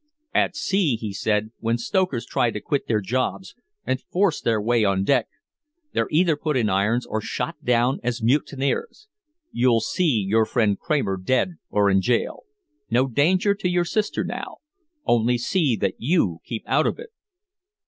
"At sea," he said, "when stokers try to quit their jobs and force their way on deck, they're either put in irons or shot down as mutineers. You'll see your friend Kramer dead or in jail. No danger to your sister now. Only see that you keep out of it!"